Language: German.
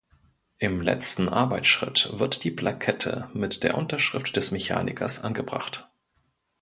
Im letzten Arbeitsschritt wird die Plakette mit der Unterschrift des Mechanikers angebracht.